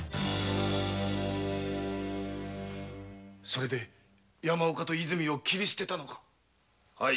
それで山岡と和泉を切り捨てたのか？